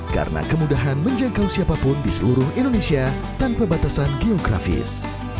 karena kemudahan menjangkau siapapun di seluruh indonesia tanpa batasan geografis